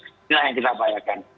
inilah yang kita bayangkan